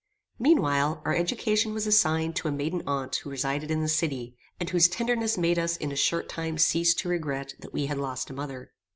Meanwhile, our education was assigned to a maiden aunt who resided in the city, and whose tenderness made us in a short time cease to regret that we had lost a mother.